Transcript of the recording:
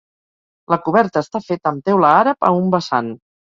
La coberta està feta amb teula àrab a un vessant.